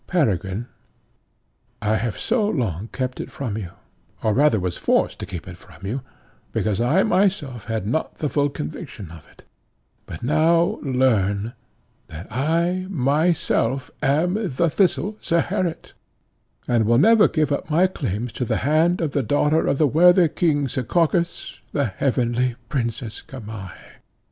Peregrine, I have so long kept it from you, or rather was forced to keep it from you, because I myself had not the full conviction of it; but now learn, that I myself am the thistle, Zeherit, and will never give up my claims to the hand of the daughter of the worthy king, Sekakis, the heavenly Princess Gamaheh.